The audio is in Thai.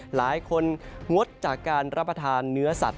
หลายคนงดจากการรับประทานเนื้อสัตว์